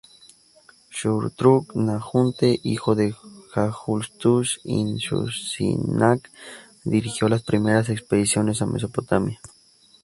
Shutruk-Nahhunte, hijo de Hallutush-Inshushinak, dirigió las primeras expediciones a Mesopotamia.